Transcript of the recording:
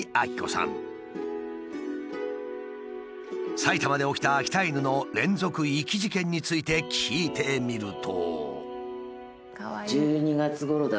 埼玉で起きた秋田犬の連続遺棄事件について聞いてみると。